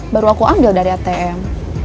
baru aku ambil dari atm